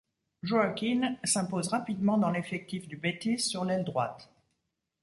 Joaquín s'impose rapidement dans l'effectif du Betis sur l'aile droite.